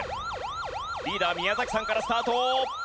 リーダー宮崎さんからスタート。